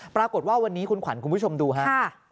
ปรากฏว่าวันนี้คุณขวัญคุณผู้ชมดูฮะ